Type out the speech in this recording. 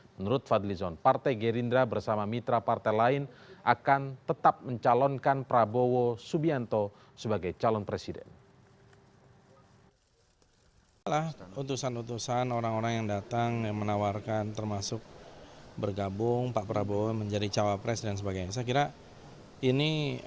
menurut fadlizon partai gerindra bersama mitra partai lain akan tetap mencalonkan prabowo subianto sebagai calon presiden